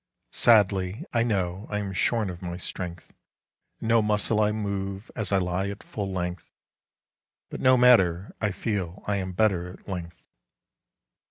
Sadly, I knowI am shorn of my strength, And no muscle I moveAs I lie at full length:But no matter—I feelI am better at length.